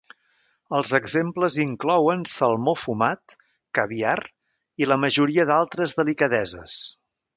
Els exemples inclouen salmó fumat, caviar i la majoria d'altres delicadeses.